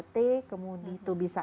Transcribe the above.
t kemudian itu bisa